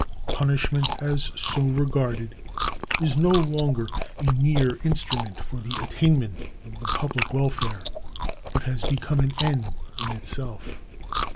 Punishment as so regarded is no longer a mere instrument for the attainment of the public welfare, but has become an end in itself.